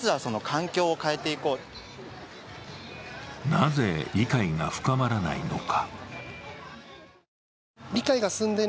なぜ理解が深まらないのか。